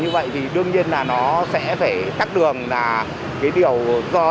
vì tức thường là xe bít